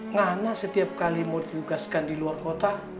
ngana setiap kali mau ditugaskan di luar kota